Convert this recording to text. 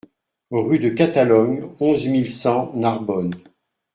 Rue de Catalogne, onze mille cent Narbonne